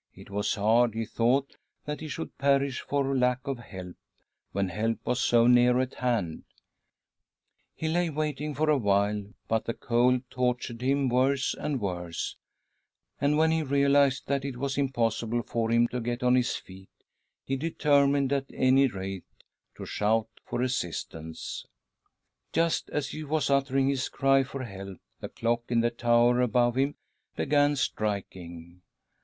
It was hard, he thought, that he should perish for lack of help, when help was so near at hand. He lay waiting for a while, but the cold tortured him worse and worse, and, when he realised that ■MB II t v :.•.■;•.•■• 36 THY SOUL SHALL BEAR WITNESS \ it was impossible for him to^get on his feet, be determined at any rate, to I&out for assistance. .7 Just as he was uttering his cry for help the clock in the tower above him began striking!